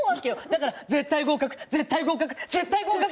だから絶対合格、絶対合格